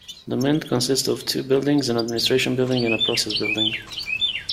The mint consists of two buildings, an administration building, and a process building.